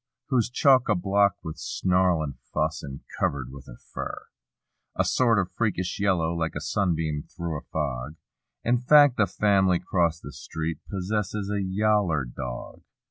Who's choc a block with snarl and fuss and covered with a fur— A sort of freakish yellow like a sunbeam through a fog; In fact the fam'ly 'crost the street possess a "y^ller" dog.